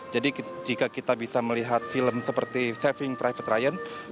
jadi jika kita bisa melihat film seperti saving private ryan